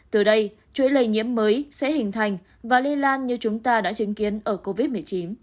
từ đây chuỗi lây nhiễm mới sẽ hình thành và lây lan như chúng ta đã chứng kiến ở covid một mươi chín